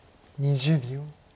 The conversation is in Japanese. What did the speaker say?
２０秒。